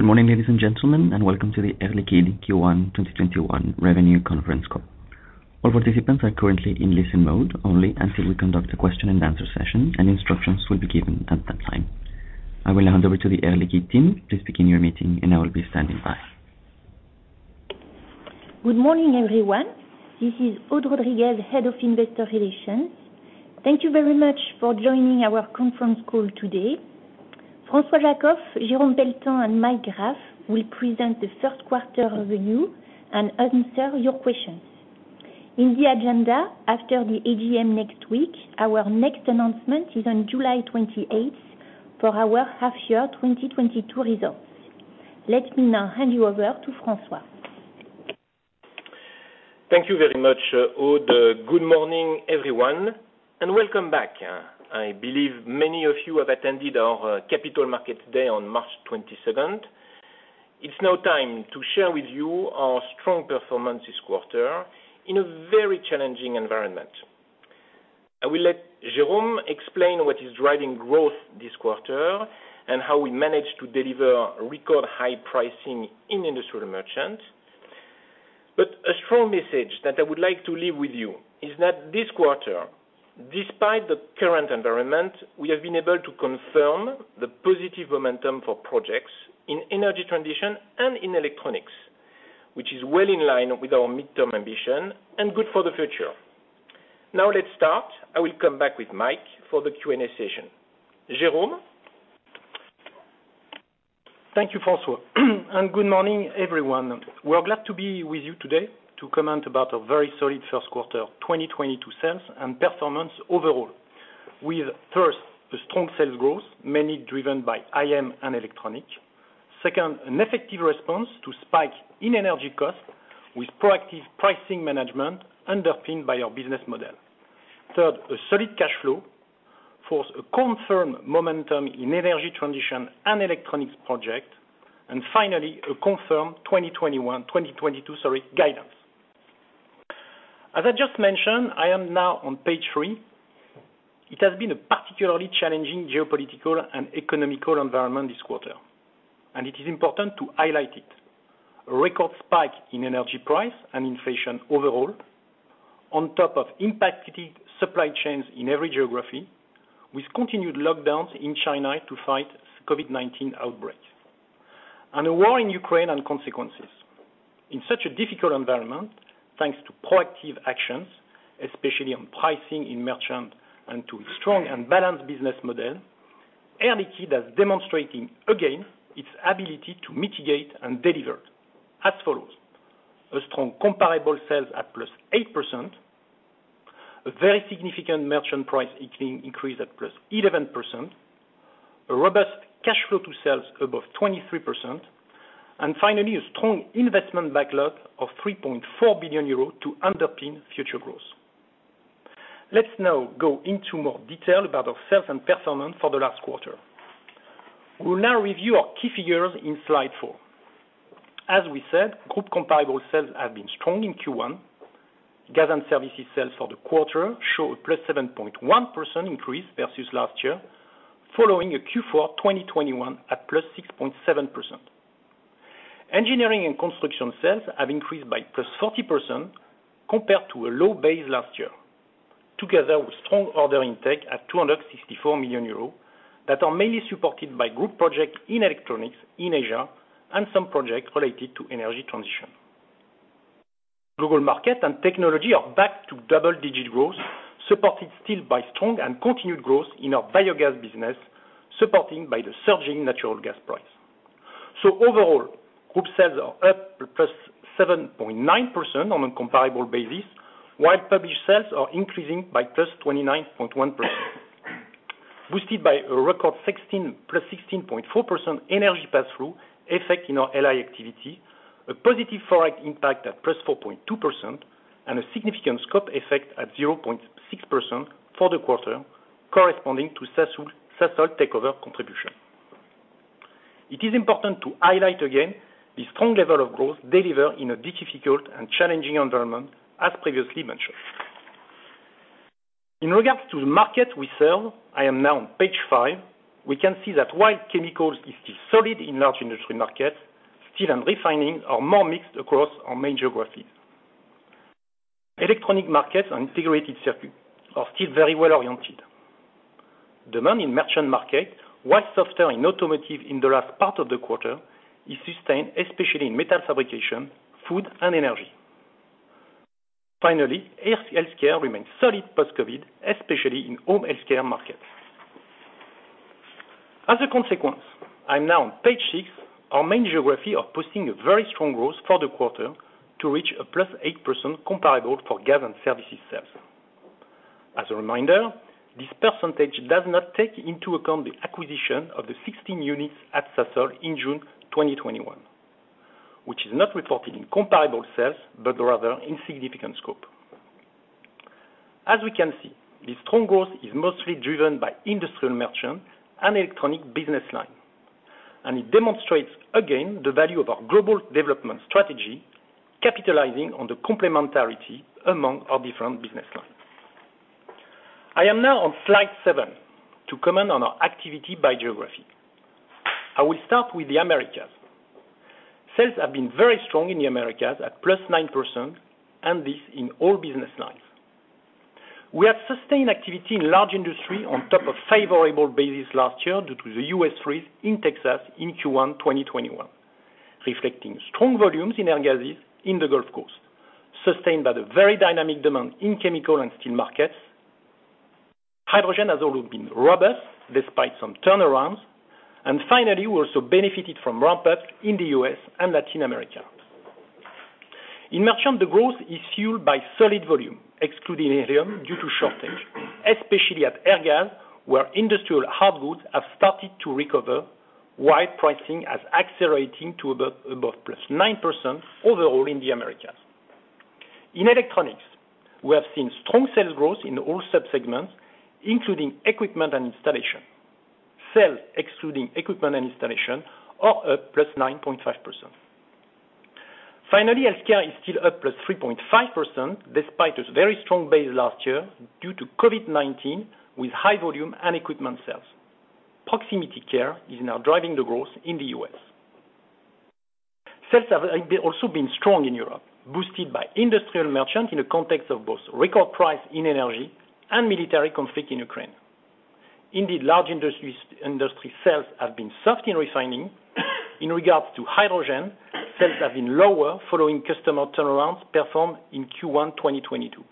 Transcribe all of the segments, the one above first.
Good morning, ladies and gentlemen, and welcome to the Air Liquide Q1 2021 Revenue Conference Call. All participants are currently in listen mode only until we conduct a question and answer session, and instructions will be given at that time. I will hand over to the Air Liquide team. Please begin your meeting, and I will be standing by. Good morning, everyone. This is Aude Rodriguez, Head of Investor Relations. Thank you very much for joining our conference call today. François Jackow, Jerome Pelletan, and Michael J. Graff will present the third quarter review and answer your questions. In the agenda, after the AGM next week, our next announcement is on July 28th for our half year 2022 results. Let me now hand you over to François. Thank you very much, Aude. Good morning, everyone, and welcome back. I believe many of you have attended our capital markets day on March 22nd. It's now time to share with you our strong performance this quarter in a very challenging environment. I will let Jerome explain what is driving growth this quarter and how we managed to deliver record high pricing in industrial merchant. A strong message that I would like to leave with you is that this quarter, despite the current environment, we have been able to confirm the positive momentum for projects in energy transition and in electronics, which is well in line with our midterm ambition and good for the future. Now, let's start. I will come back with Mike for the Q&A session. Jerome? Thank you, François, and good morning, everyone. We are glad to be with you today to comment about a very solid first quarter 2022 sales and performance overall. With first, a strong sales growth, mainly driven by IM and electronic. Second, an effective response to spike in energy costs with proactive pricing management underpinned by our business model. Third, a solid cash flow. Fourth, a confirmed momentum in energy transition and electronics project. And finally, a confirmed 2022, sorry, guidance. As I just mentioned, I am now on page three. It has been a particularly challenging geopolitical and economic environment this quarter, and it is important to highlight it. A record spike in energy price and inflation overall, on top of impacted supply chains in every geography, with continued lockdowns in China to fight COVID-19 outbreak, and a war in Ukraine and consequences. In such a difficult environment, thanks to proactive actions, especially on pricing in merchant and to a strong and balanced business model, Air Liquide is demonstrating again its ability to mitigate and deliver. A strong comparable sales at +8%, a very significant merchant price increase at +11%, a robust cash flow to sales above 23%, and finally, a strong investment backlog of 3.4 billion euros to underpin future growth. Let's now go into more detail about our sales and performance for the last quarter. We'll now review our key figures in slide four. As we said, group comparable sales have been strong in Q1. Gas & Services sales for the quarter show a +7.1% increase versus last year, following a Q4 2021 at +6.7%. Engineering & Construction sales have increased by +40% compared to a low base last year. Together with strong order intake at 264 million euros that are mainly supported by good project in electronics in Asia and some projects related to energy transition. Global Markets & Technologies are back to double-digit growth, supported still by strong and continued growth in our biogas business, supporting by the surging natural gas price. Overall, Group sales are up +7.9% on a comparable basis, while published sales are increasing by +29.1%. Boosted by a record +16.4% energy pass-through effect in our LI activity, a positive FX impact at +4.2%, and a significant scope effect at 0.6% for the quarter corresponding to Sasol takeover contribution. It is important to highlight again the strong level of growth delivered in a difficult and challenging environment as previously mentioned. In regard to the market we sell, I am now on page five, we can see that while chemicals is still solid in large industry markets, steel and refining are more mixed across our main geographies. Electronics markets and integrated circuits are still very well-oriented. Demand in merchant market, while softer in automotive in the last part of the quarter, is sustained, especially in metal fabrication, food, and energy. Finally, Healthcare remains solid post-COVID, especially in home healthcare markets. As a consequence, I'm now on page six, our main geographies are posting a very strong growth for the quarter to reach a +8% comparable for Gas & Services sales. As a reminder, this percentage does not take into account the acquisition of the 16 units at Sasol in June 2021, which is not reported in comparable sales, but rather in significant scope. As we can see, this strong growth is mostly driven by industrial merchant and electronic business line, and it demonstrates again the value of our global development strategy, capitalizing on the complementarity among our different business lines. I am now on slide 7 to comment on our activity by geography. I will start with the Americas. Sales have been very strong in the Americas at +9%, and this in all business lines. We have sustained activity in large industry on top of favorable basis last year, due to the U.S. freeze in Texas in Q1 2021, reflecting strong volumes in air gases in the Gulf Coast, sustained by the very dynamic demand in chemical and steel markets. Hydrogen has also been robust despite some turnarounds. Finally, we also benefited from ramp up in the U.S. and Latin America. In merchant, the growth is fueled by solid volume excluding helium due to shortage, especially at Air gases, where industrial hardgoods have started to recover, while pricing is accelerating to above +9% overall in the Americas. In electronics, we have seen strong sales growth in all sub-segments, including equipment and installation. Sales excluding equipment and installation are up +9.5%. Finally, Healthcare is still up +3.5% despite a very strong base last year due to COVID-19 with high volume and equipment sales. Proximity care is now driving the growth in the U.S. Sales have also been strong in Europe, boosted by industrial merchant in a context of both record price in energy and military conflict in Ukraine. Indeed, large industry sales have been soft in refining. In regards to hydrogen, sales have been lower following customer turnarounds performed in Q1 2022.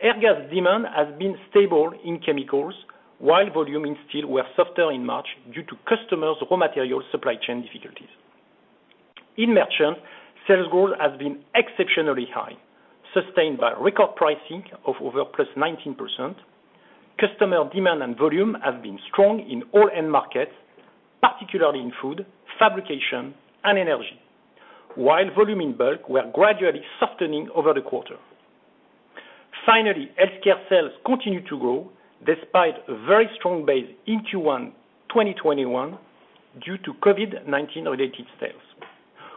Air gases demand has been stable in chemicals, while volume in steel were softer in March due to customers' raw material supply chain difficulties. In merchant, sales growth has been exceptionally high, sustained by record pricing of over +19%. Customer demand and volume have been strong in all end markets, particularly in food, fabrication, and energy. While volume in bulk were gradually softening over the quarter. Finally, healthcare sales continue to grow despite a very strong base in Q1 2021 due to COVID-19-related sales.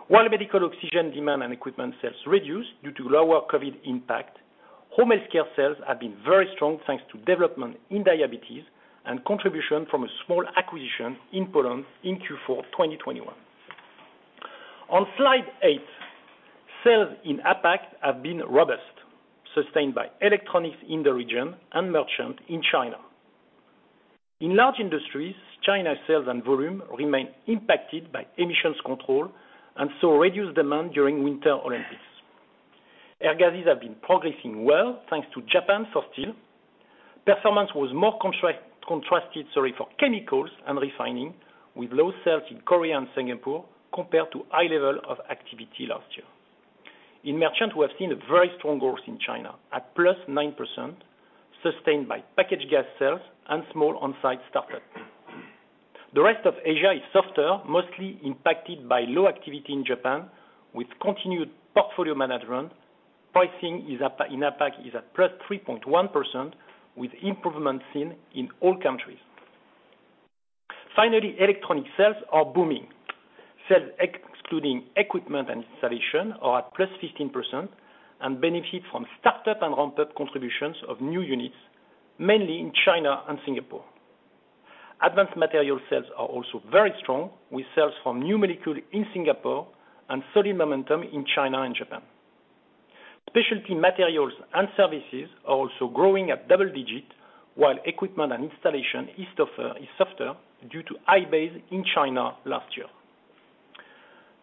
While medical oxygen demand and equipment sales reduced due to lower COVID impact, home healthcare sales have been very strong, thanks to development in diabetes and contribution from a small acquisition in Poland in Q4 2021. On slide eight, sales in APAC have been robust, sustained by electronics in the region and merchant in China. In large industries, China sales and volume remain impacted by emissions control and saw reduced demand during Winter Olympics. Air gases have been progressing well thanks to Japan for steel. Performance was more contrasted for chemicals and refining, with low sales in Korea and Singapore compared to high level of activity last year. In merchant, we have seen a very strong growth in China at +9%, sustained by packaged gas sales and small on-site startup. The rest of Asia is softer, mostly impacted by low activity in Japan with continued portfolio management. Pricing in APAC is at +3.1%, with improvements seen in all countries. Finally, Electronics sales are booming. Sales excluding equipment and installation are at +15% and benefit from startup and ramp-up contributions of new units, mainly in China and Singapore. Advanced materials sales are also very strong, with sales from new molecule in Singapore and solid momentum in China and Japan. Specialty materials and services are also growing at double-digit, while equipment and installation is softer due to high base in China last year.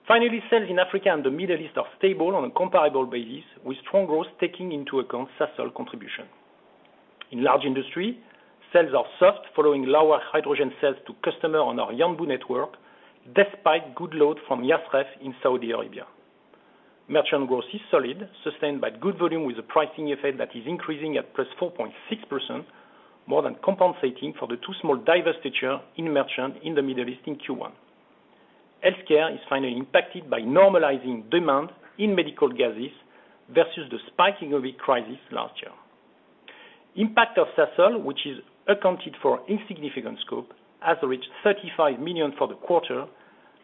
Finally, sales in Africa and the Middle East are stable on a comparable basis, with strong growth taking into account Sasol contribution. In large industry, sales are soft following lower hydrogen sales to customer on our Yanbu network despite good load from Yasref in Saudi Arabia. Merchant growth is solid, sustained by good volume with a pricing effect that is increasing at +4.6%, more than compensating for the two small divestitures in merchant in the Middle East in Q1. Healthcare is finally impacted by normalizing demand in medical gases versus the spike in COVID crisis last year. Impact of Sasol, which is accounted for in scope, has reached 35 million for the quarter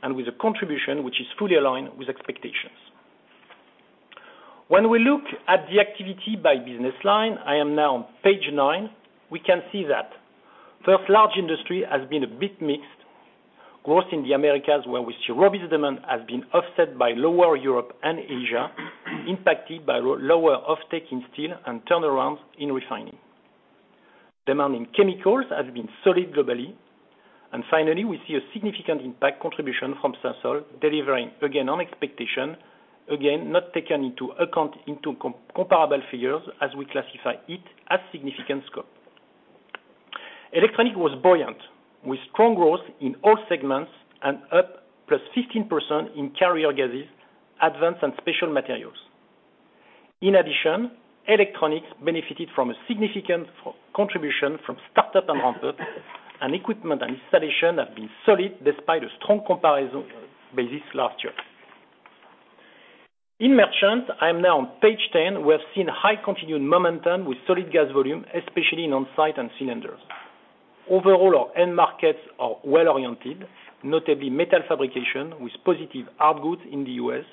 and with a contribution which is fully aligned with expectations. When we look at the activity by business line, I am now on page nine, we can see that first Large Industry has been a bit mixed. Growth in the Americas, where we see robust demand has been offset by lower Europe and Asia, impacted by lower offtake in steel and turnarounds in refining. Demand in chemicals has been solid globally. Finally, we see a significant impact contribution from Sasol, delivering again on expectation, again, not taken into account into comparable figures as we classify it as significant scope. Electronics was buoyant, with strong growth in all segments and up plus 15% in carrier gases, advanced and specialty materials. In addition, electronics benefited from a significant contribution from startup and ramp-up, and Equipment & Installation have been solid despite a strong comparison basis last year. In merchant, I am now on page 10. We have seen high continued momentum with solid gas volume, especially in on-site and cylinders. Overall, our end markets are well-oriented, notably metal fabrication with positive outputs in the U.S.,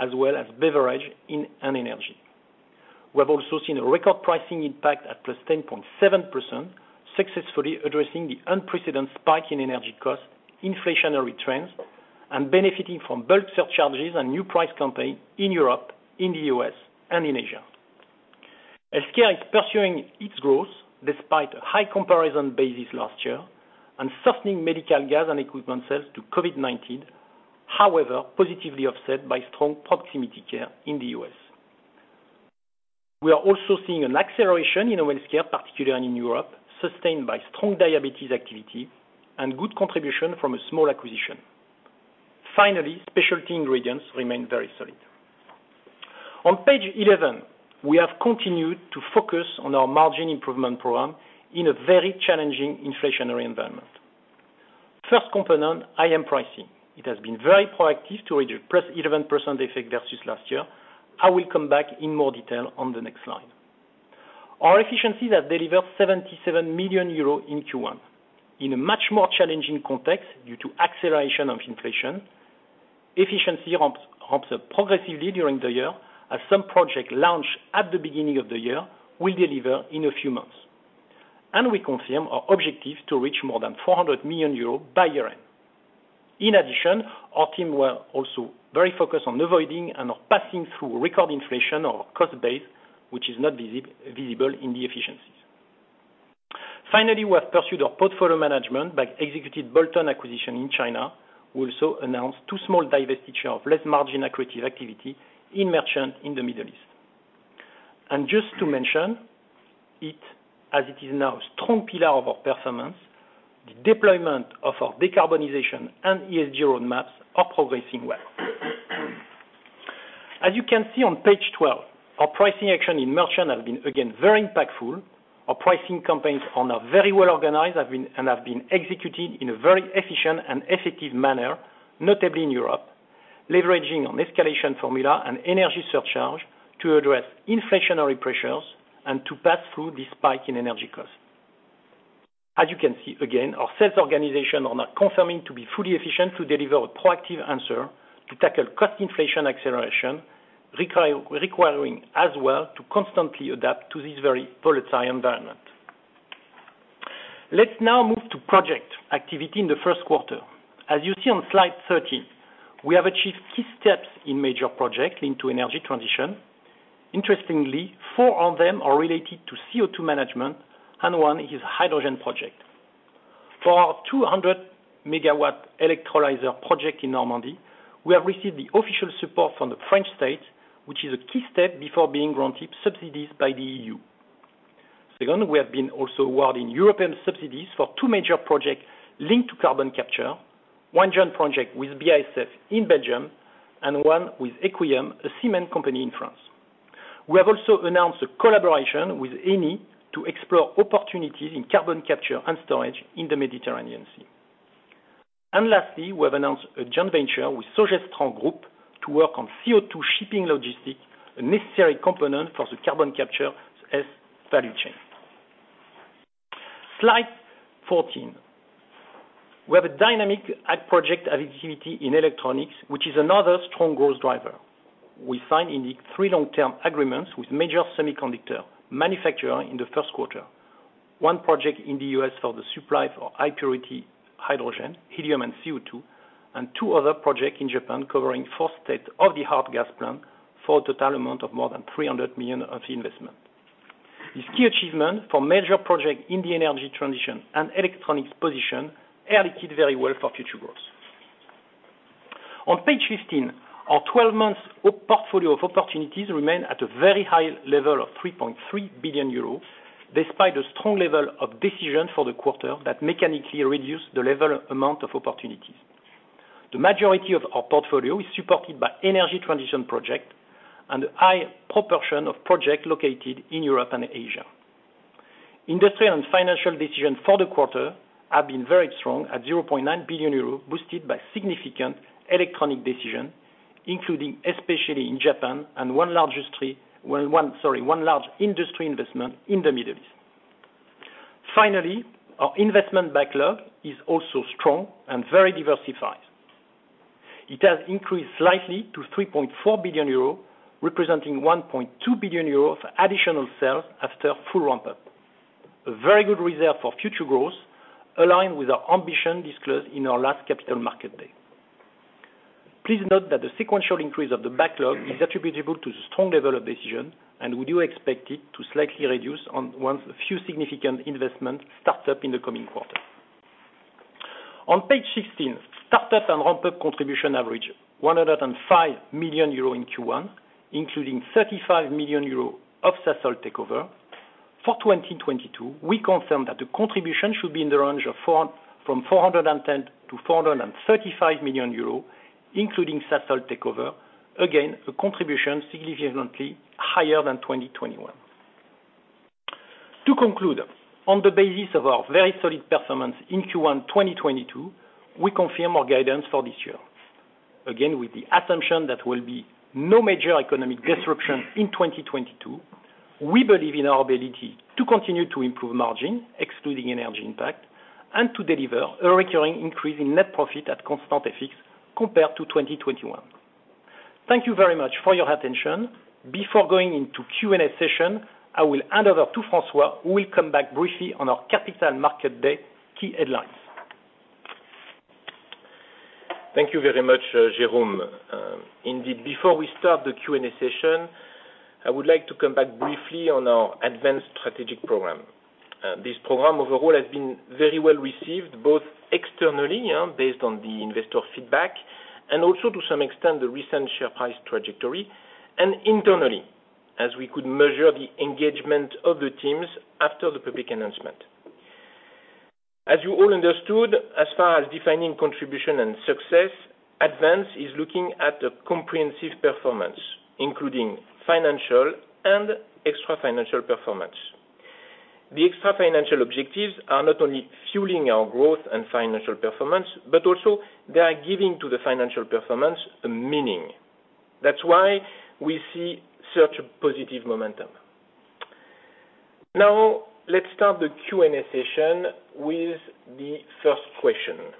as well as beverage and energy. We have also seen a record pricing impact at +10.7%, successfully addressing the unprecedented spike in energy costs, inflationary trends, and benefiting from bulk surcharges and new price campaign in Europe, in the U.S., and in Asia. Healthcare is pursuing its growth despite a high comparison basis last year and softening medical gas and equipment sales to COVID-19, however positively offset by strong proximity care in the U.S. We are also seeing an acceleration in Healthcare, particularly in Europe, sustained by strong diabetes activity and good contribution from a small acquisition. Finally, specialty ingredients remain very solid. On page 11, we have continued to focus on our margin improvement program in a very challenging inflationary environment. First component, IM pricing. It has been very proactive to reach +11% effect versus last year. I will come back in more detail on the next slide. Our efficiencies have delivered 77 million euros in Q1 in a much more challenging context due to acceleration of inflation. Efficiency ramps up progressively during the year, as some project launch at the beginning of the year will deliver in a few months. We confirm our objective to reach more than 400 million euros by year-end. In addition, our team were also very focused on avoiding and passing through record inflation of our cost base, which is not visible in the efficiencies. Finally, we have pursued our portfolio management by executing bolt-on acquisition in China. We also announced two small divestitures of less margin accretive activity in merchant in the Middle East. Just to mention it, as it is now a strong pillar of our performance, the deployment of our decarbonization and ESG road maps are progressing well. As you can see on page 12, our pricing action in merchant has been again very impactful. Our pricing campaigns are now very well organized and have been executed in a very efficient and effective manner, notably in Europe, leveraging on escalation formula and energy surcharge to address inflationary pressures and to pass through the spike in energy costs. As you can see, again, our sales organization are now confirming to be fully efficient to deliver a proactive answer to tackle cost inflation acceleration, requiring as well to constantly adapt to this very volatile environment. Let's now move to project activity in the first quarter. As you see on slide 13, we have achieved key steps in major projects linked to energy transition. Interestingly, four of them are related to CO₂ management and one is hydrogen project. For our 200-megawatt electrolyzer project in Normandy, we have received the official support from the French state, which is a key step before being granted subsidies by the EU. Second, we have also been awarded European subsidies for two major projects linked to carbon capture. One joint project with BASF in Belgium and one with Eqiom, a cement company in France. We have also announced a collaboration with Eni to explore opportunities in carbon capture and storage in the Mediterranean Sea. Lastly, we have announced a joint venture with Sogestran Group to work on CO₂ shipping logistics, a necessary component for the carbon capture's value chain. Slide 14. We have dynamic project activity in electronics, which is another strong growth driver. We signed indeed three long-term agreements with major semiconductor manufacturer in the first quarter. One project in the US for the supply for high purity hydrogen, helium and CO₂, and two other projects in Japan covering four sites of the large gas plant for a total amount of more than 300 million of investment. This key achievement for major projects in the energy transition and electronics positions Air Liquide very well for future growth. On page 15, our 12-month portfolio of opportunities remains at a very high level of 3.3 billion euros, despite a strong level of decisions for the quarter that mechanically reduced the level amount of opportunities. The majority of our portfolio is supported by energy transition project and a high proportion of projects located in Europe and Asia. Industrial and financial decisions for the quarter have been very strong, at 0.9 billion euros, boosted by significant Electronics decisions, including especially in Japan and one large industry investment in the Middle East. Finally, our investment backlog is also strong and very diversified. It has increased slightly to 3.4 billion euros, representing 1.2 billion euros of additional sales after full ramp-up. A very good result for future growth, aligned with our ambition disclosed in our last capital market day. Please note that the sequential increase of the backlog is attributable to the strong level of decisions, and we do expect it to slightly reduce once a few significant investments start up in the coming quarter. On page 16, start-up and ramp-up contribution averaged 105 million euros in Q1, including 35 million euros of Sasol takeover. For 2022, we confirm that the contribution should be in the range of 410 million to 435 million euros, including Sasol takeover. Again, a contribution significantly higher than 2021. To conclude, on the basis of our very solid performance in Q1 2022, we confirm our guidance for this year. Again, with the assumption that will be no major economic disruption in 2022, we believe in our ability to continue to improve margin excluding energy impact and to deliver a recurring increase in net profit at constant FX compared to 2021. Thank you very much for your attention. Before going into Q&A session, I will hand over to François, who will come back briefly on our capital market day key headlines. Thank you very much, Jerome. Indeed. Before we start the Q&A session, I would like to come back briefly on our ADVANCE strategic program. This program overall has been very well received, both externally, based on the investor feedback and also to some extent the recent share price trajectory, and internally as we could measure the engagement of the teams after the public announcement. As you all understood, as far as defining contribution and success, ADVANCE is looking at a comprehensive performance, including financial and extrafinancial performance. The extrafinancial objectives are not only fueling our growth and financial performance, but also they are giving to the financial performance a meaning. That's why we see such a positive momentum. Now let's start the Q&A session with the first question.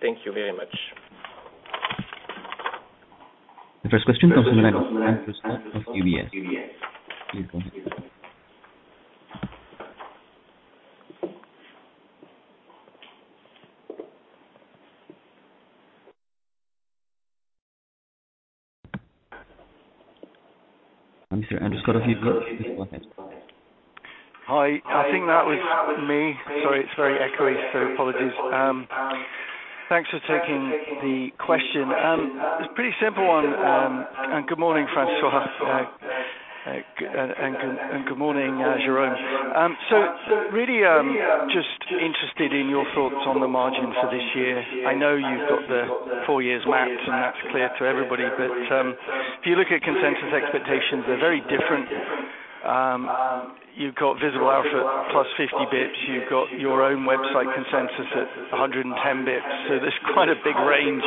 Thank you very much. The first question comes from the line of Andrew Stott of UBS. Hi. I think that was me. Sorry, it's very echoey, so apologies. Thanks for taking the question. It's a pretty simple one. Good morning, François, and good morning, Jerome. Really, just interested in your thoughts on the margin for this year. I know you've got the four years mapped and that's clear to everybody. If you look at consensus expectations, they're very different. You've got Visible Alpha plus 50 basis points. You've got your own website consensus at 110 basis points. There's quite a big range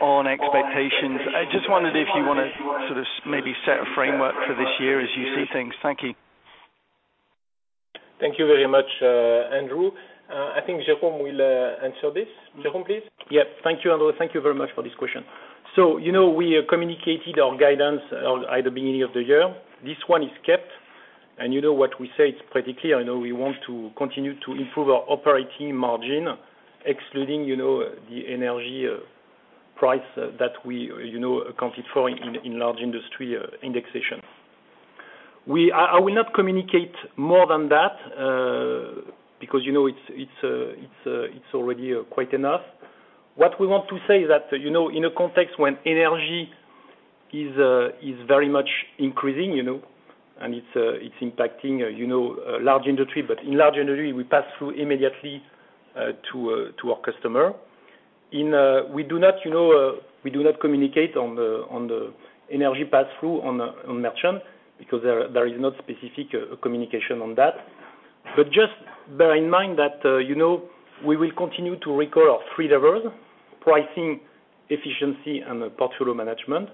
on expectations. I just wondered if you wanna sort of maybe set a framework for this year as you see things. Thank you. Thank you very much, Andrew. I think Jerome will answer this. Jerome, please. Yeah, thank you, Andrew. Thank you very much for this question. You know, we communicated our guidance at the beginning of the year. This one is kept and you know what we say, it's pretty clear. I know we want to continue to improve our operating margin excluding, you know, the energy price that we, you know, accounted for in large industry indexation. I will not communicate more than that, because, you know, it's already quite enough. What we want to say is that, you know, in a context when energy is very much increasing, you know, and it's impacting large industry. In large industry we pass through immediately to our customer. We do not, you know, communicate on the energy pass through on merchant because there is no specific communication on that. Just bear in mind that, you know, we will continue to recall our three levers, pricing, efficiency and portfolio management.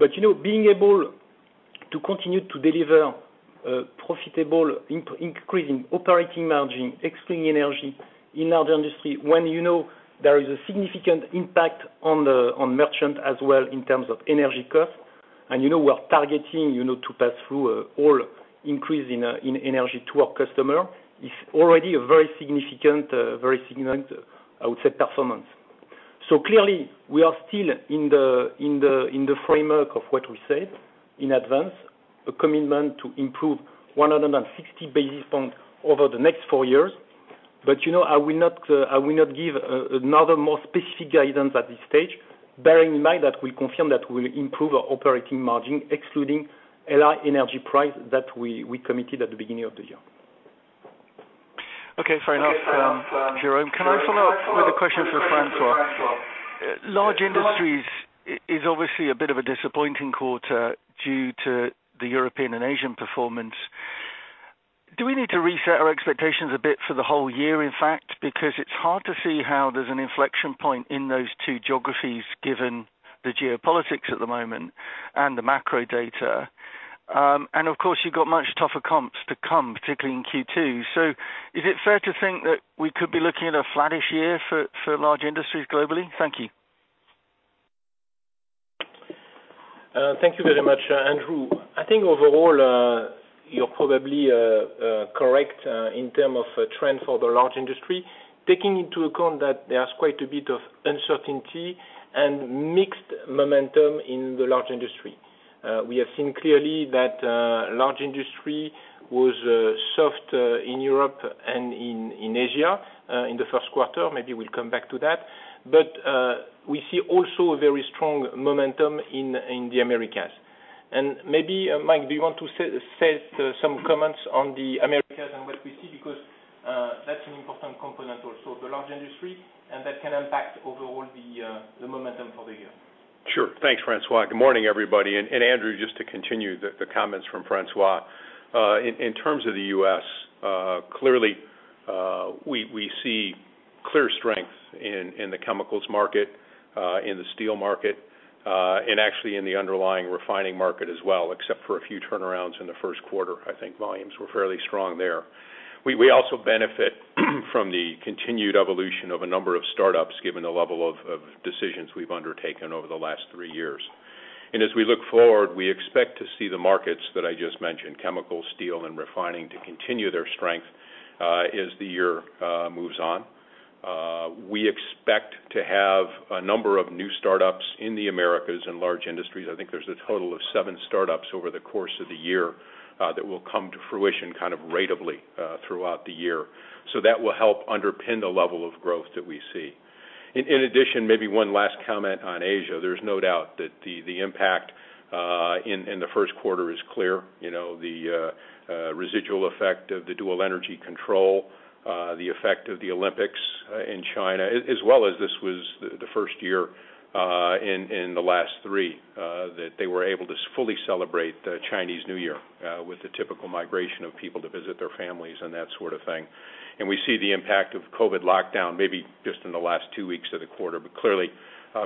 You know, being able to continue to deliver profitable increase in operating margin, excluding energy in large industry, when, you know, there is a significant impact on merchant as well in terms of energy cost. You know, we are targeting, you know, to pass through all increase in energy to our customer is already a very significant, I would say performance. Clearly we are still in the framework of what we said in advance, a commitment to improve 160 basis points over the next four years. You know, I will not give another more specific guidance at this stage, bearing in mind that we confirm that we'll improve our operating margin excluding LI energy price that we committed at the beginning of the year. Okay, fair enough, Jerome. Can I follow up with a question for François? Large Industries is obviously a bit of a disappointing quarter due to the European and Asian performance. Do we need to reset our expectations a bit for the whole year, in fact? Because it's hard to see how there's an inflection point in those two geographies, given the geopolitics at the moment and the macro data. Of course you've got much tougher comps to come, particularly in Q2. Is it fair to think that we could be looking at a flattish year for Large Industries globally? Thank you. Thank you very much, Andrew. I think overall, you're probably correct in terms of trend for the large industry, taking into account that there's quite a bit of uncertainty and mixed momentum in the large industry. We have seen clearly that large industry was soft in Europe and in Asia in the first quarter. Maybe we'll come back to that. We see also a very strong momentum in the Americas. Maybe, Mike, do you want to say some comments on the Americas and what we see? Because that's an important component also of the large industry, and that can impact overall the momentum for the year. Sure. Thanks, François. Good morning, everybody. Andrew, just to continue the comments from François. In terms of the U.S., clearly we see clear strength in the chemicals market, in the steel market, and actually in the underlying refining market as well, except for a few turnarounds in the first quarter. I think volumes were fairly strong there. We also benefit from the continued evolution of a number of startups, given the level of decisions we've undertaken over the last three years. As we look forward, we expect to see the markets that I just mentioned, chemical, steel and refining, to continue their strength, as the year moves on. We expect to have a number of new startups in the Americas in large industries. I think there's a total of seven startups over the course of the year that will come to fruition kind of ratably throughout the year. That will help underpin the level of growth that we see. In addition, maybe one last comment on Asia. There's no doubt that the impact in the first quarter is clear. You know, the residual effect of the dual energy control, the effect of the Olympics in China, as well as this was the first year in the last three that they were able to fully celebrate the Chinese New Year with the typical migration of people to visit their families and that sort of thing. We see the impact of COVID lockdown, maybe just in the last two weeks of the quarter, but clearly,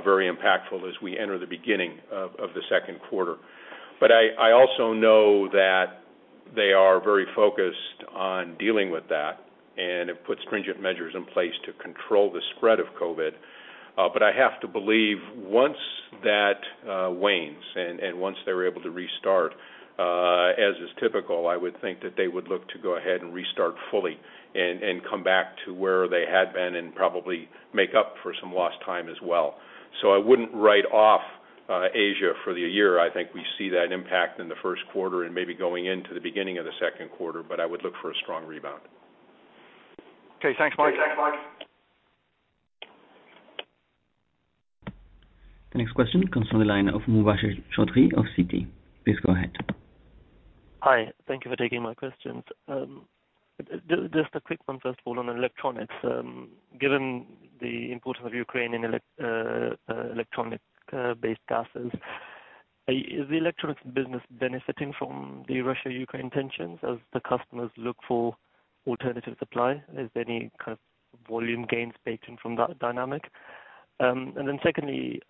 very impactful as we enter the beginning of the second quarter. I also know that they are very focused on dealing with that, and have put stringent measures in place to control the spread of COVID. I have to believe once that wanes and once they're able to restart, as is typical, I would think that they would look to go ahead and restart fully and come back to where they had been, and probably make up for some lost time as well. I wouldn't write off Asia for the year. I think we see that impact in the first quarter and maybe going into the beginning of the second quarter, but I would look for a strong rebound. Okay, thanks Mike. The next question comes from the line of Mubasher Chaudhry of Citi. Please go ahead. Hi. Thank you for taking my questions. Just a quick one, first of all, on electronics. Given the importance of Ukraine in electronics-based gases, is the electronics business benefiting from the Russia-Ukraine tensions as the customers look for alternative supply? Is there any kind of volume gains baked in from that dynamic? Secondly,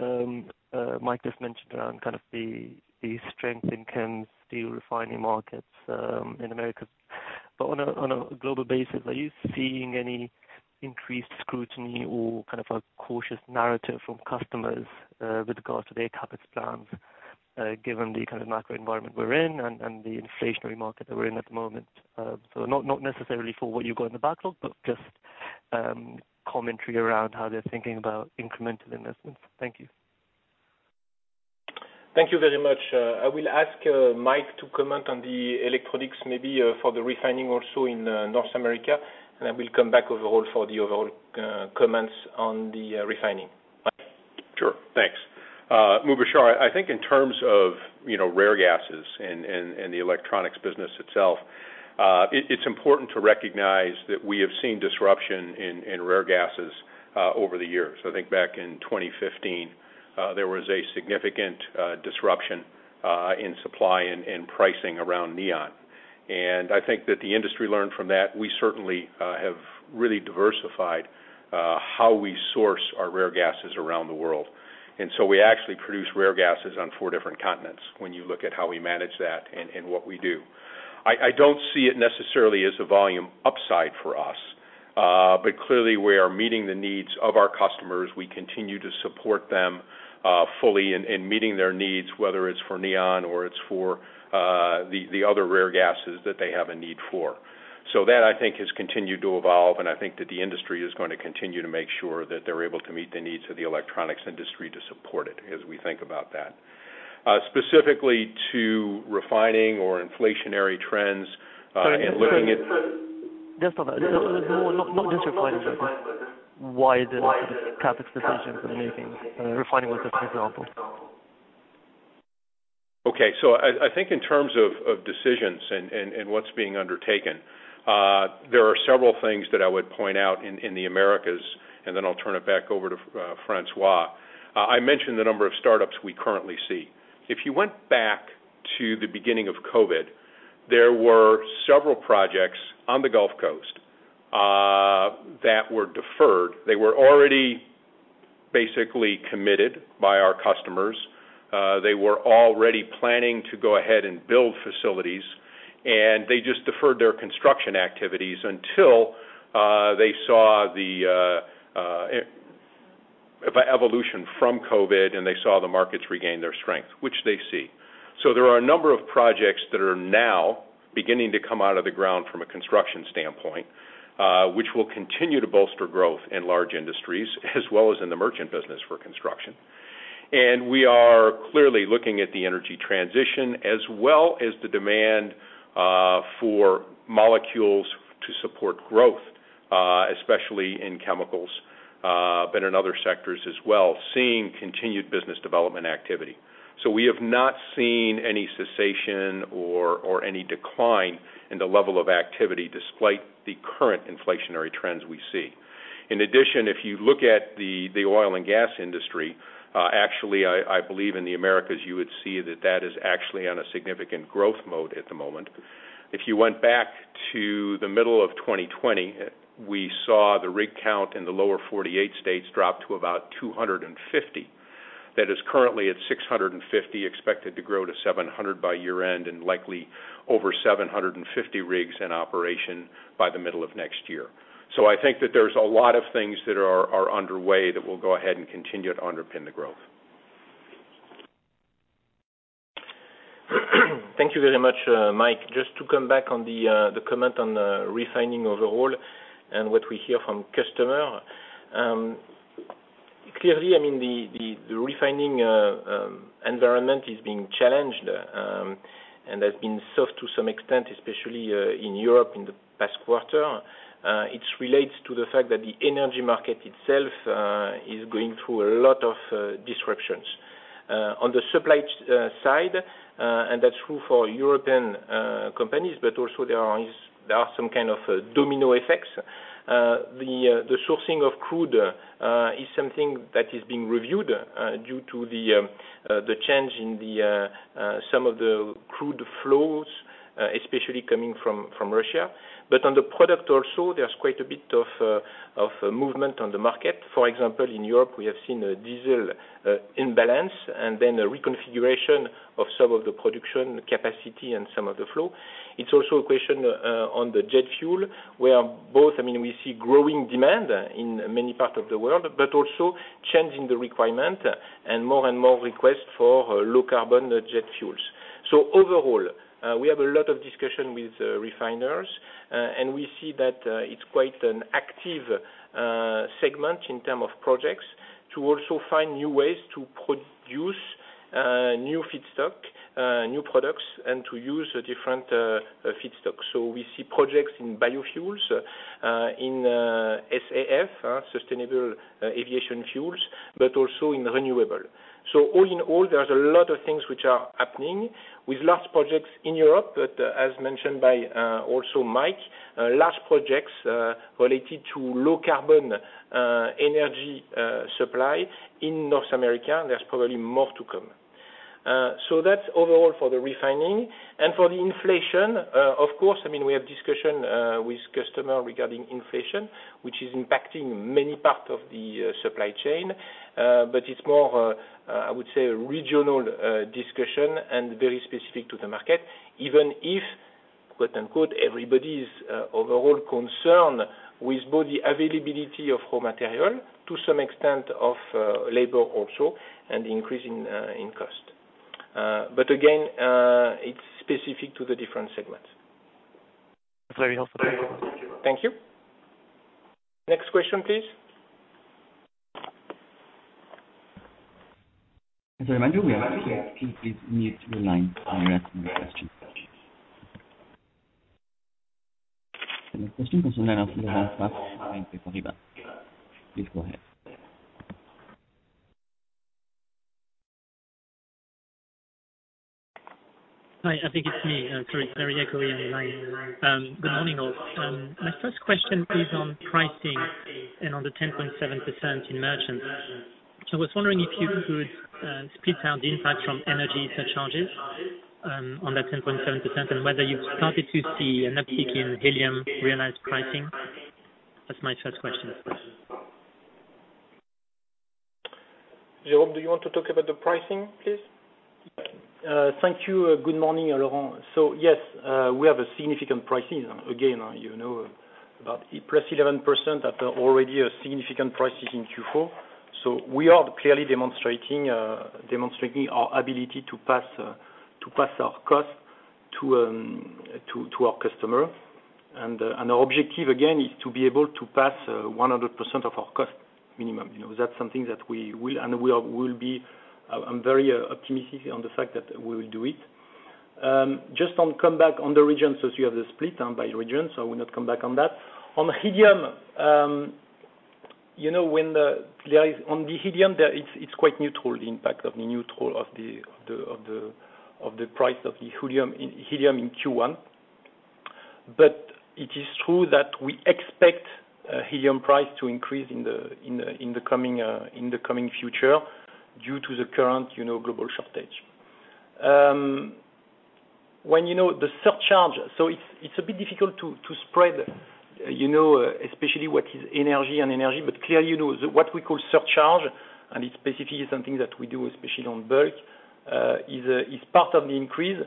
Mike just mentioned around kind of the strength in chemical, steel refining markets in America. On a global basis, are you seeing any increased scrutiny or kind of a cautious narrative from customers with regards to their CapEx plans given the kind of macro environment we're in and the inflationary market that we're in at the moment? Not necessarily for what you've got in the backlog, but just commentary around how they're thinking about incremental investments. Thank you. Thank you very much. I will ask Mike to comment on the electronics, maybe, for the refining also in North America, and I will come back overall for the comments on the refining. Mike? Sure. Thanks. Mubashir, I think in terms of rare gases and the electronics business itself, it's important to recognize that we have seen disruption in rare gases over the years. I think back in 2015, there was a significant disruption in supply and pricing around neon. I think that the industry learned from that. We certainly have really diversified how we source our rare gases around the world. We actually produce rare gases on four different continents when you look at how we manage that and what we do. I don't see it necessarily as a volume upside for us. Clearly we are meeting the needs of our customers. We continue to support them fully in meeting their needs, whether it's for neon or it's for the other rare gases that they have a need for. That, I think, has continued to evolve, and I think that the industry is going to continue to make sure that they're able to meet the needs of the electronics industry to support it as we think about that. Specifically to refining or inflationary trends, and looking at Sorry, just on that. Not just refining, but wider sort of CapEx decisions that are making. Refining was just an example. I think in terms of decisions and what's being undertaken, there are several things that I would point out in the Americas, and then I'll turn it back over to François. I mentioned the number of startups we currently see. If you went back to the beginning of COVID, there were several projects on the Gulf Coast that were deferred. They were already basically committed by our customers. They were already planning to go ahead and build facilities, and they just deferred their construction activities until they saw the evolution from COVID, and they saw the markets regain their strength, which they see. There are a number of projects that are now beginning to come out of the ground from a construction standpoint, which will continue to bolster growth in large industries as well as in the merchant business for construction. We are clearly looking at the energy transition as well as the demand for molecules to support growth, especially in chemicals, but in other sectors as well, seeing continued business development activity. We have not seen any cessation or any decline in the level of activity despite the current inflationary trends we see. In addition, if you look at the oil and gas industry, actually, I believe in the Americas, you would see that that is actually on a significant growth mode at the moment. If you went back to the middle of 2020, we saw the rig count in the lower 48 states drop to about 250. That is currently at 650, expected to grow to 700 by year-end and likely over 750 rigs in operation by the middle of next year. I think that there's a lot of things that are underway that will go ahead and continue to underpin the growth. Thank you very much, Mike. Just to come back on the comment on refining overall and what we hear from customer. Clearly, I mean, the refining environment is being challenged and has been softened to some extent, especially in Europe in the past quarter. It relates to the fact that the energy market itself is going through a lot of disruptions on the supply side, and that's true for European companies, but also there are some kind of domino effects. The sourcing of crude is something that is being reviewed due to the change in some of the crude flows, especially coming from Russia. On the product also, there's quite a bit of of movement on the market. For example, in Europe, we have seen a diesel imbalance and then a reconfiguration of some of the production capacity and some of the flow. It's also a question on the jet fuel, where both, I mean, we see growing demand in many parts of the world, but also change in the requirement and more and more requests for low carbon jet fuels. Overall, we have a lot of discussion with refiners and we see that it's quite an active segment in terms of projects to also find new ways to produce new feedstock, new products, and to use different feedstock. We see projects in biofuels, in SAF, sustainable aviation fuels, but also in renewable. All in all, there's a lot of things which are happening with large projects in Europe, but as mentioned by also Mike, large projects related to low carbon energy supply in North America, and there's probably more to come. That's overall for the refining. For the inflation, of course, I mean, we have discussion with customer regarding inflation, which is impacting many parts of the supply chain. It's more, I would say a regional discussion and very specific to the market, even if, quote-unquote, everybody is overall concerned with both the availability of raw material to some extent of labor also and increase in cost. Again, it's specific to the different segments. That's very helpful. Thank you. Thank you. Next question, please. As a reminder, we ask you please mute your line when you're asking a question. The next question comes in from the line of Lars Zethraeus, DNB. Please go ahead. Hi, I think it's me. Sorry it's very echoey on the line. Good morning all. My first question is on pricing and on the 10.7% in merchants. I was wondering if you could split out the impact from energy surcharges on that 10.7%, and whether you've started to see an uptick in helium realized pricing? That's my first question. Jerome, do you want to talk about the pricing, please? Thank you. Good morning, Laurent. Yes, we have a significant pricing. Again, you know about it, +11% at already a significant pricing in Q4. We are clearly demonstrating our ability to pass our costs to our customer. Our objective again is to be able to pass 100% of our cost minimum. You know, that's something that we will be. I'm very optimistic on the fact that we will do it. Just on come back on the region, you have the split down by region. I will not come back on that. On helium, you know, it's quite neutral, the impact of the neutrality of the price of the helium in Q1. It is true that we expect helium price to increase in the coming future due to the current global shortage. You know, the surcharge, it's a bit difficult to spread, you know, especially what is energy and non-energy. Clearly, you know, what we call surcharge, and it's specifically something that we do especially on bulk is part of the increase.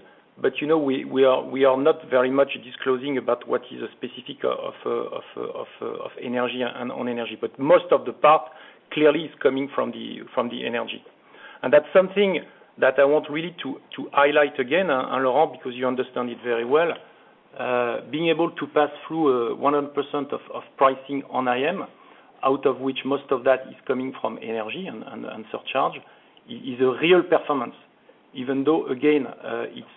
You know, we are not very much disclosing about what is specific to energy and non-energy. Most of the impact clearly is coming from the energy. That's something that I want really to highlight again, Laurent, because you understand it very well. Being able to pass through 100% of pricing on IM, out of which most of that is coming from energy and surcharge, is a real performance. Even though again,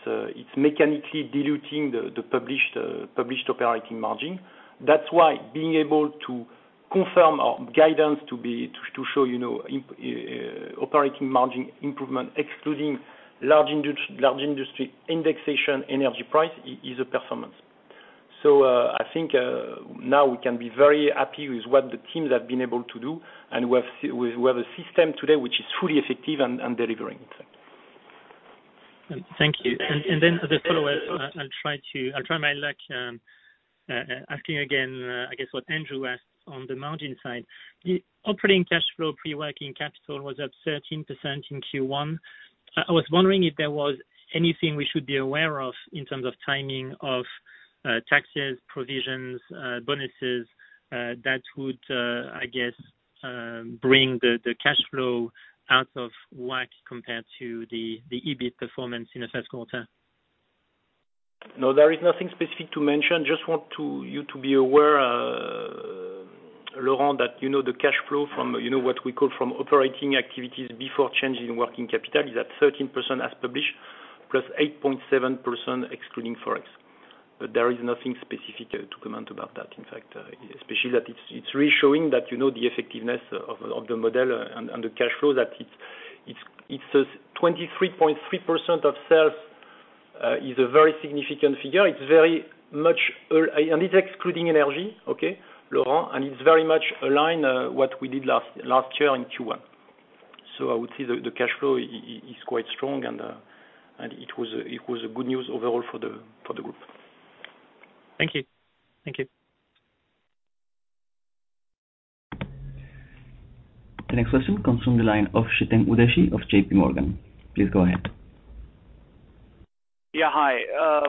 it's mechanically diluting the published operating margin. That's why being able to confirm our guidance to show, you know, operating margin improvement, excluding large industry indexation energy price is a performance. I think now we can be very happy with what the teams have been able to do, and we have a system today which is fully effective and delivering. Thank you. Then, as a follow-up, I'll try my luck asking again, I guess what Andrew asked on the margin side. The operating cash flow pre-working capital was up 13% in Q1. I was wondering if there was anything we should be aware of in terms of timing of taxes, provisions, bonuses, that would, I guess, bring the cash flow out of whack compared to the EBIT performance in the first quarter. No, there is nothing specific to mention. Just want you to be aware, Laurent, that, you know, the cash flow from, you know, what we call from operating activities before changing working capital is at 13% as published, plus 8.7% excluding ForEx. There is nothing specific to comment about that, in fact, especially that it's really showing that, you know, the effectiveness of the model and the cash flow that it's a 23.3% of sales is a very significant figure. It's very much and it's excluding energy, okay, Laurent, and it's very much aligned what we did last year in Q1. I would say the cash flow is quite strong and it was a good news overall for the group. Thank you. Thank you. The next question comes from the line of Chetan Udeshi of JP Morgan. Please go ahead. Yeah, hi.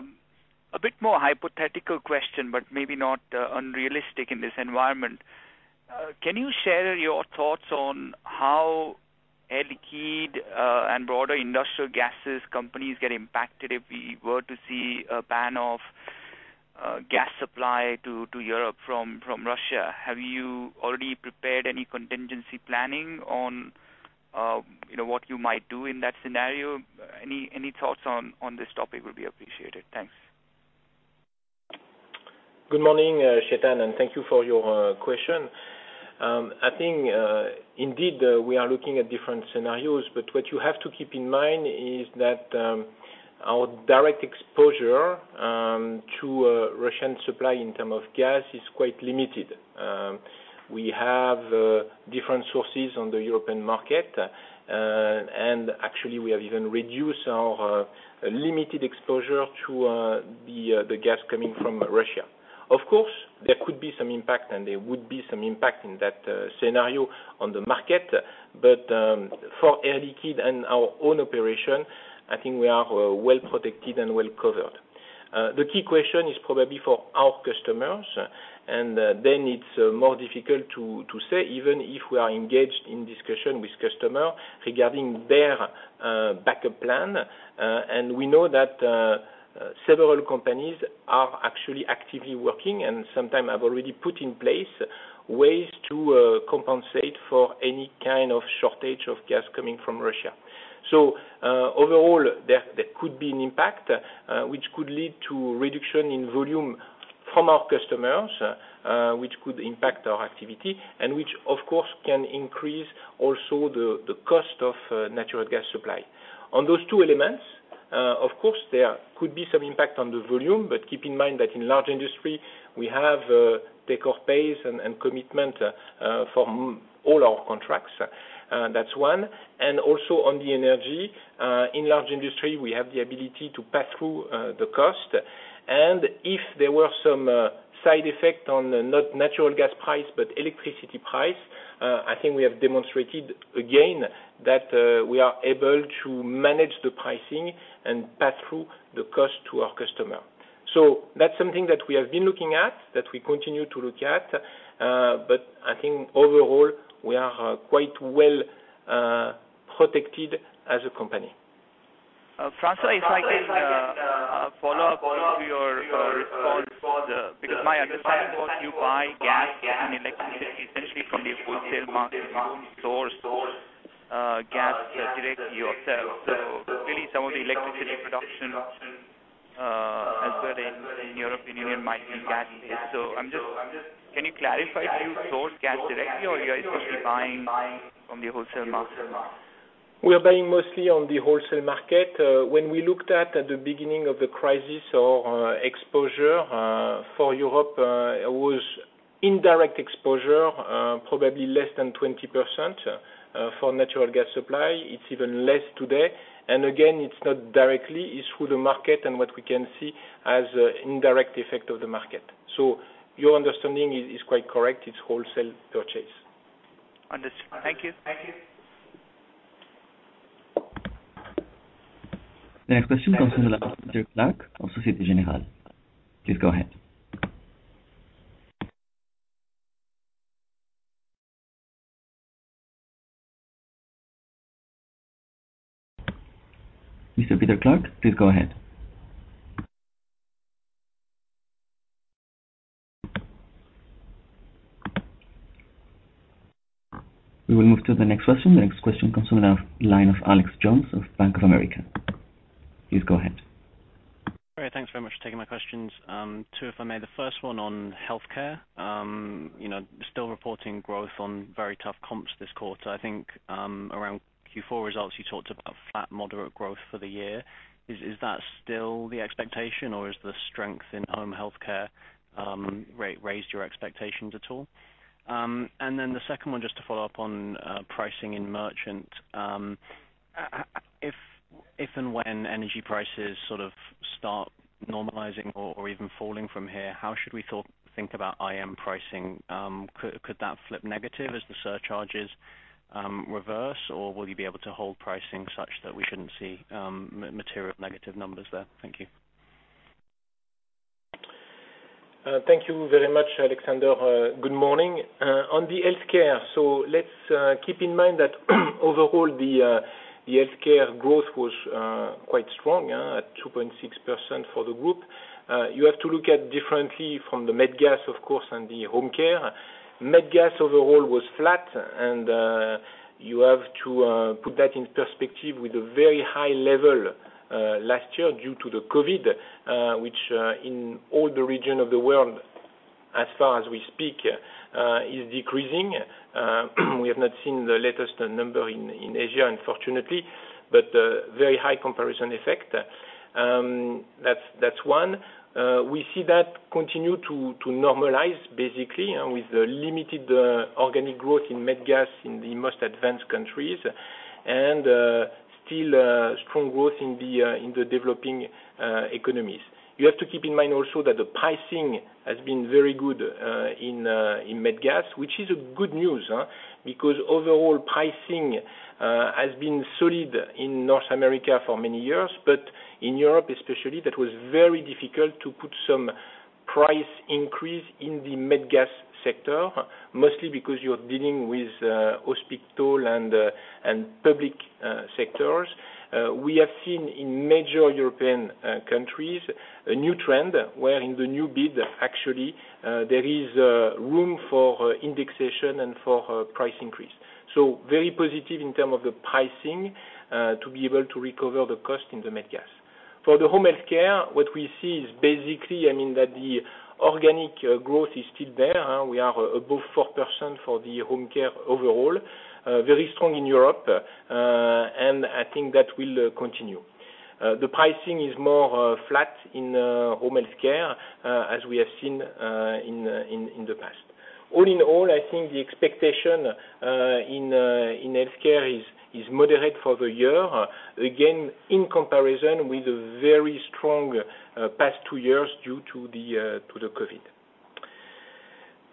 A bit more hypothetical question, but maybe not unrealistic in this environment. Can you share your thoughts on how Air Liquide and broader industrial gases companies get impacted if we were to see a ban of gas supply to Europe from Russia? Have you already prepared any contingency planning on, you know, what you might do in that scenario? Any thoughts on this topic would be appreciated. Thanks. Good morning, Chetan, and thank you for your question. I think, indeed, we are looking at different scenarios, but what you have to keep in mind is that our direct exposure to Russian supply in terms of gas is quite limited. We have different sources on the European market, and actually we have even reduced our limited exposure to the gas coming from Russia. Of course, there could be some impact and there would be some impact in that scenario on the market. For Air Liquide and our own operation, I think we are well protected and well covered. The key question is probably for our customers, and then it's more difficult to say, even if we are engaged in discussion with customer regarding their backup plan. We know that several companies are actually actively working and sometimes have already put in place ways to compensate for any kind of shortage of gas coming from Russia. Overall, there could be an impact, which could lead to reduction in volume from our customers, which could impact our activity and which of course can increase also the cost of natural gas supply. On those two elements, of course, there could be some impact on the volume, but keep in mind that in large industry, we have take-or-pay basis and commitment from all our contracts. That's one. Also on the energy, in large industry, we have the ability to pass through the cost. If there were some side effect on not natural gas price, but electricity price, I think we have demonstrated again that we are able to manage the pricing and pass through the cost to our customer. That's something that we have been looking at, that we continue to look at, but I think overall we are quite well protected as a company. François, if I can follow up to your response. Because my understanding was you buy gas and electricity essentially from the wholesale market. You don't source gas directly yourself. Really some of the electricity production as well in European Union might be gas-based. Can you clarify, do you source gas directly or you are essentially buying from the wholesale market? We're buying mostly on the wholesale market. When we looked at the beginning of the crisis, our exposure for Europe, it was indirect exposure, probably less than 20% for natural gas supply. It's even less today. Again, it's not directly, it's through the market and what we can see as an indirect effect of the market. Your understanding is quite correct. It's wholesale purchase. Understood. Thank you. The next question comes from the line of Peter Clark of Société Générale. Please go ahead. Mr. Peter Clark, please go ahead. We will move to the next question. The next question comes from the line of Alex Jones of Bank of America. Please go ahead. All right. Thanks very much for taking my questions. Two, if I may. The first one on Healthcare, you know, still reporting growth on very tough comps this quarter. I think, around Q4 results you talked about flat moderate growth for the year. Is that still the expectation or has the strength in home healthcare raised your expectations at all? And then the second one, just to follow up on pricing in merchant. If and when energy prices sort of start normalizing or even falling from here, how should we think about IM pricing? Could that flip negative as the surcharges reverse, or will you be able to hold pricing such that we shouldn't see material negative numbers there? Thank you. Thank you very much, Alexander. Good morning. On the Healthcare, keep in mind that overall the Healthcare growth was quite strong at 2.6% for the group. You have to look at it differently from the med gas, of course, and the home care. Med gas overall was flat and you have to put that in perspective with a very high level last year due to COVID-19, which in all the regions of the world as we speak is decreasing. We have not seen the latest number in Asia, unfortunately, but a very high comparison effect. That's one. We see that continue to normalize basically with the limited organic growth in med gas in the most advanced countries and still strong growth in the developing economies. You have to keep in mind also that the pricing has been very good in med gas, which is a good news, because overall pricing has been solid in North America for many years. In Europe especially, that was very difficult to put some price increase in the med gas sector, mostly because you're dealing with hospital and public sectors. We have seen in major European countries a new trend where in the new bid, actually, there is room for indexation and for a price increase. Very positive in terms of the pricing to be able to recover the cost in the med gas. For the home healthcare, what we see is basically, I mean, that the organic growth is still there. We are above 4% for the home care overall, very strong in Europe, and I think that will continue. The pricing is more flat in home healthcare, as we have seen in the past. All in all, I think the expectation in healthcare is moderate for the year, again, in comparison with a very strong past two years due to the COVID.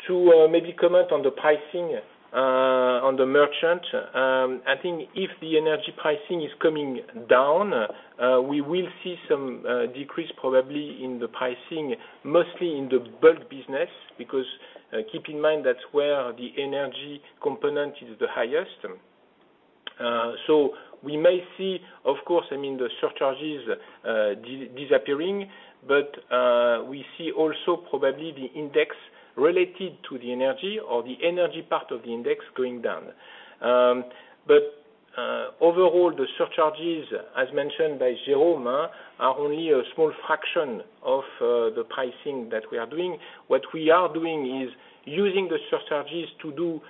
To maybe comment on the pricing on the merchant, I think if the energy pricing is coming down, we will see some decrease probably in the pricing, mostly in the bulk business, because keep in mind that's where the energy component is the highest. We may see of course, I mean, the surcharges disappearing, but we see also probably the index related to the energy or the energy part of the index going down. Overall the surcharges, as mentioned by Jerome, are only a small fraction of the pricing that we are doing. What we are doing is using the surcharges to do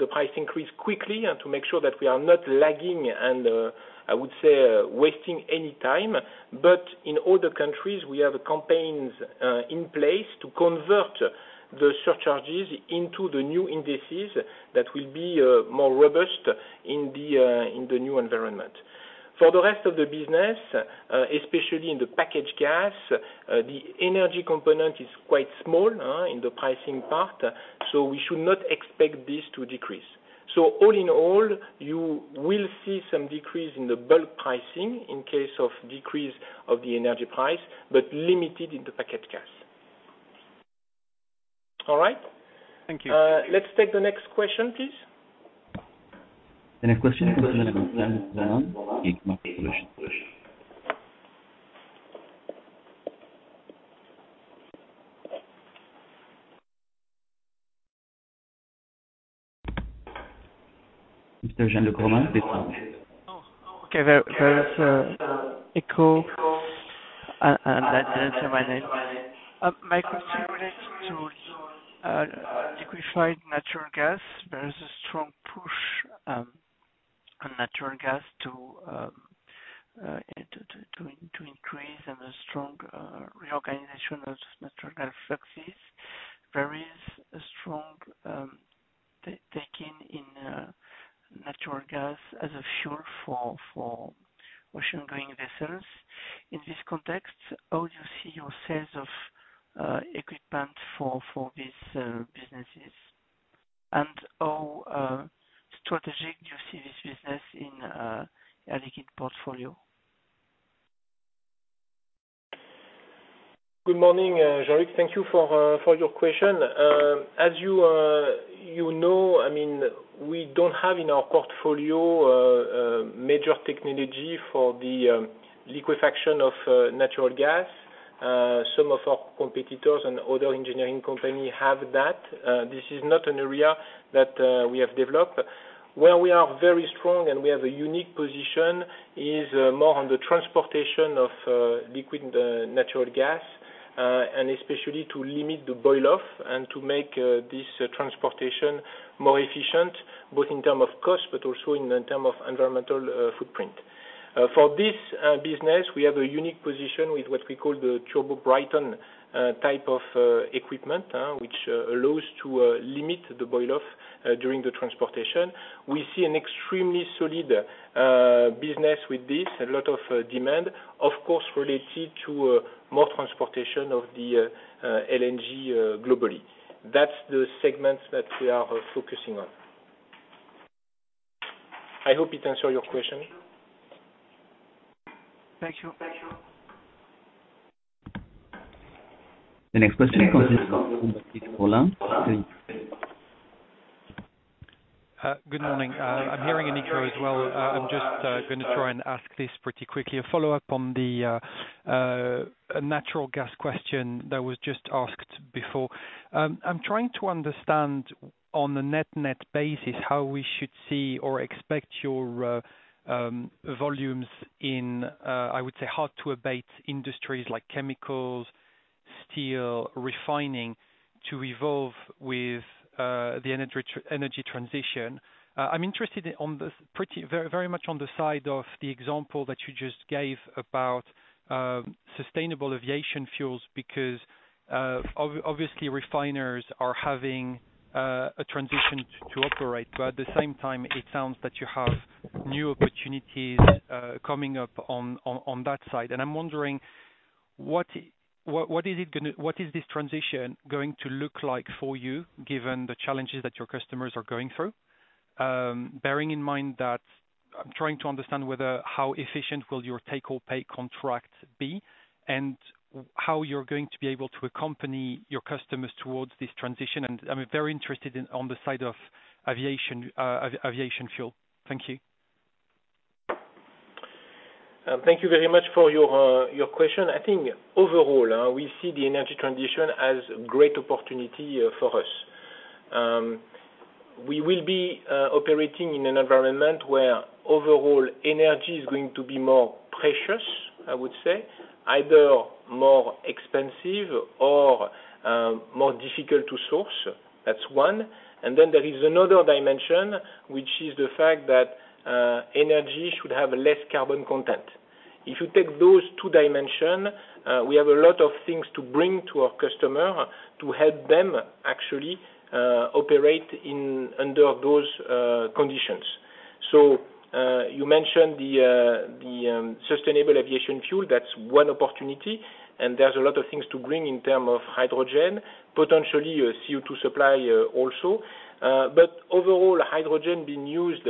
the price increase quickly and to make sure that we are not lagging and I would say wasting any time. In all the countries we have campaigns in place to convert the surcharges into the new indices that will be more robust in the new environment. For the rest of the business, especially in the packaged gas, the energy component is quite small in the pricing part, so we should not expect this to decrease. All in all, you will see some decrease in the bulk pricing in case of decrease of the energy price, but limited in the packaged gas. All right. Thank you. Let's take the next question, please. The next question comes in from Jean de Gromard, Exane BNP Paribas. Mr. Jean de Gromard, please come in. Oh, okay. There is an echo, and then after my name. My question relates to liquefied natural gas. There is a strong push on natural gas to increase and a strong reorganization of natural gas fluxes. There is a strong taking in natural gas as a fuel for ocean-going vessels. In this context, how do you see your sales of equipment for these businesses? How strategic do you see this business in Air Liquide portfolio? Good morning, Jean. Thank you for your question. As you know, I mean, we don't have in our portfolio major technology for the liquefaction of natural gas. Some of our competitors and other engineering company have that. This is not an area that we have developed. Where we are very strong and we have a unique position is more on the transportation of liquefied natural gas, and especially to limit the boil off and to make this transportation more efficient, both in terms of cost but also in terms of environmental footprint. For this business, we have a unique position with what we call the Turbo-Brayton type of equipment, which allows to limit the boil off during the transportation. We see an extremely solid business with this. A lot of demand, of course, related to more transportation of the LNG globally. That's the segments that we are focusing on. I hope it answer your question. Thank you. The next question comes from the line of Roland French Good morning. I'm hearing Nico as well. I'm just gonna try and ask this pretty quickly. A follow-up on the natural gas question that was just asked before. I'm trying to understand on the net-net basis how we should see or expect your volumes in, I would say, hard to abate industries like chemicals, steel, refining to evolve with the energy transition. I'm interested in, very, very much on the side of the example that you just gave about sustainable aviation fuels because obviously refiners are having a transition to operate. At the same time, it sounds that you have new opportunities coming up on that side. I'm wondering what is it gonna. What is this transition going to look like for you, given the challenges that your customers are going through? Bearing in mind that I'm trying to understand how efficient will your take-or-pay contract be, and how you're going to be able to accompany your customers towards this transition. I'm very interested in on the side of aviation fuel. Thank you. Thank you very much for your question. I think overall, we see the energy transition as great opportunity for us. We will be operating in an environment where overall energy is going to be more precious, I would say, either more expensive or, more difficult to source. That's one. Then there is another dimension, which is the fact that, energy should have less carbon content. If you take those two dimension, we have a lot of things to bring to our customer to help them actually, operate under those conditions. You mentioned the sustainable aviation fuel. That's one opportunity, and there's a lot of things to bring in terms of hydrogen, potentially a CO₂ supply also. Overall hydrogen being used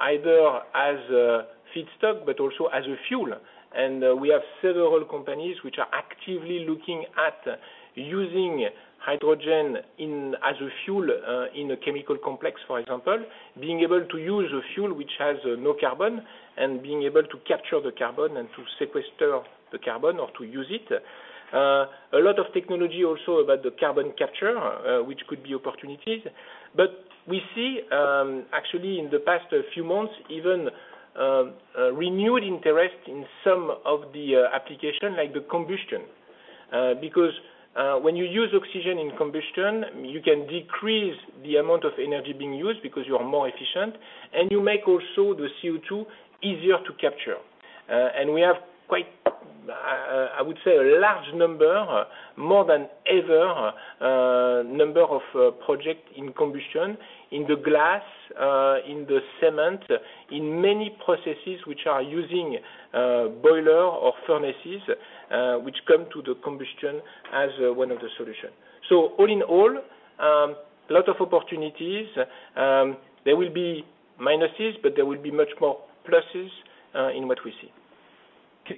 either as a feedstock but also as a fuel. We have several companies which are actively looking at using hydrogen as a fuel in a chemical complex, for example, being able to use a fuel which has no carbon and being able to capture the carbon and to sequester the carbon or to use it. A lot of technology also about the carbon capture, which could be opportunities. We see actually in the past few months even a renewed interest in some of the application, like the combustion. Because when you use oxygen in combustion, you can decrease the amount of energy being used because you are more efficient and you make also the CO2 easier to capture. We have quite, I would say a large number more than ever of projects in combustion in the glass, in the cement, in many processes which are using boiler or furnaces, which come to the combustion as one of the solution. All in all, a lot of opportunities. There will be minuses, but there will be much more pluses in what we see.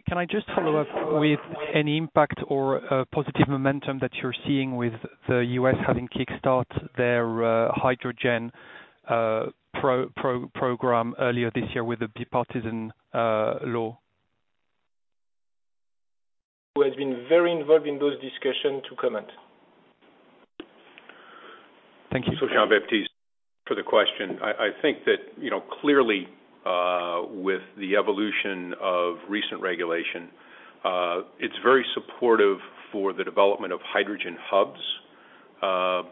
Can I just follow up with any impact or positive momentum that you're seeing with the U.S. having kick-start their hydrogen program earlier this year with the bipartisan law? Who has been very involved in those discussions to comment? Thank you. Jean-Baptiste for the question. I think that, you know, clearly, with the evolution of recent regulation, it's very supportive for the development of hydrogen hubs,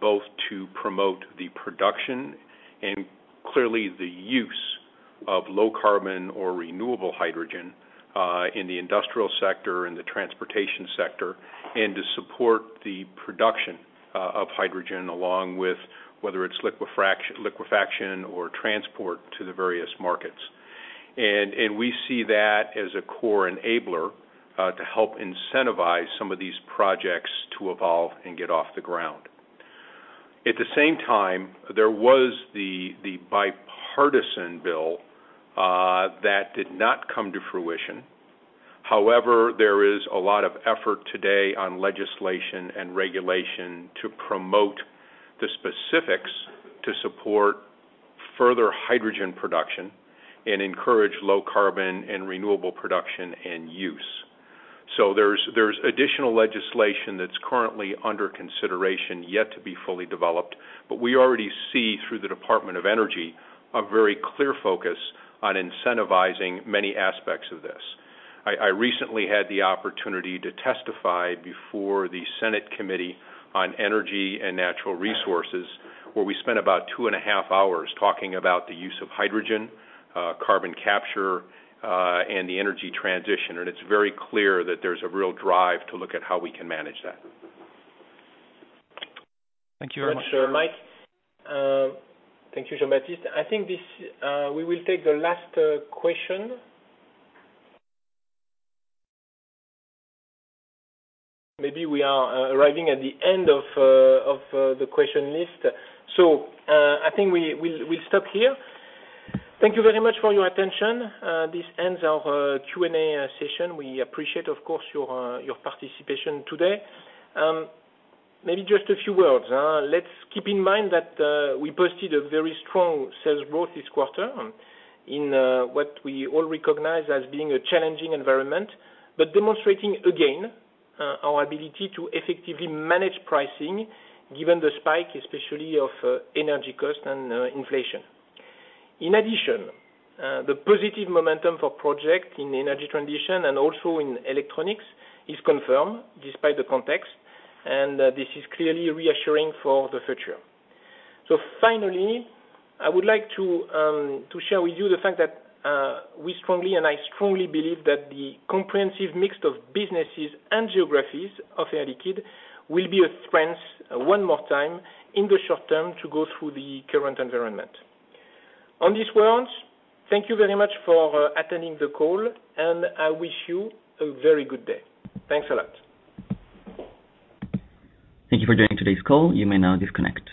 both to promote the production and clearly the use of low carbon or renewable hydrogen, in the industrial sector and the transportation sector, and to support the production, of hydrogen along with whether it's liquefaction or transport to the various markets. We see that as a core enabler, to help incentivize some of these projects to evolve and get off the ground. At the same time, there was the bipartisan bill, that did not come to fruition. However, there is a lot of effort today on legislation and regulation to promote the specifics to support further hydrogen production and encourage low carbon and renewable production and use. There's additional legislation that's currently under consideration yet to be fully developed, but we already see through the Department of Energy a very clear focus on incentivizing many aspects of this. I recently had the opportunity to testify before the Senate Committee on Energy and Natural Resources, where we spent about 2.5 hours talking about the use of hydrogen, carbon capture, and the energy transition. It's very clear that there's a real drive to look at how we can manage that. Thank you very much. Mike, thank you, Jean-Baptiste. I think this, we will take the last question. Maybe we are arriving at the end of the question list. I think we'll stop here. Thank you very much for your attention. This ends our Q&A session. We appreciate, of course, your participation today. Maybe just a few words. Let's keep in mind that we posted a very strong sales growth this quarter in what we all recognize as being a challenging environment, but demonstrating again our ability to effectively manage pricing given the spike, especially of energy cost and inflation. In addition, the positive momentum for project in energy transition and also in electronics is confirmed despite the context, and this is clearly reassuring for the future. Finally, I would like to share with you the fact that we strongly and I strongly believe that the comprehensive mix of businesses and geographies of Air Liquide will be a strength one more time in the short term to go through the current environment. On these words, thank you very much for attending the call, and I wish you a very good day. Thanks a lot. Thank you for joining today's call. You may now disconnect.